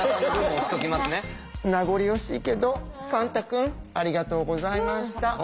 名残惜しいけどファンタ君ありがとうございました。